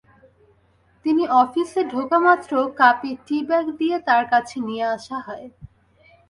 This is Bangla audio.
তিনি অফিসে ঢোকামাত্র কাপে টী-ব্যাগ দিয়ে তাঁর কাছে নিয়ে আসা হয়।